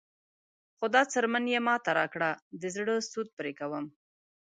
خو دا څرمن یې ماته راکړه د زړه سود پرې کوم.